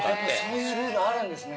そういうルールあるんですね。